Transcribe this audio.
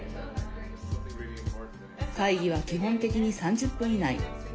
会議は基本的に３０分以内。